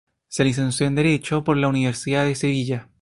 Se licenció en Derecho por la Universidad de Sevilla.